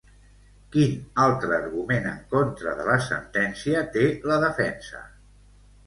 Quin altre argument en contra de la sentència té la defensa?